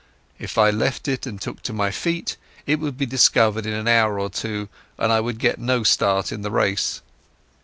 If I left it and took to my feet, it would be discovered in an hour or two and I would get no start in the race.